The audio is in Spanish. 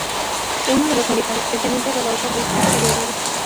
Uno de los militares, el teniente Rodolfo Richter, cayó herido.